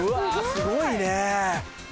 すごいね！